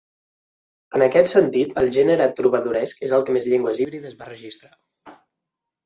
En aquest sentit, el gènere trobadoresc és el que més llengües híbrides va registrar.